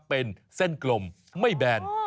เป็นเส้นกลมไม่แบน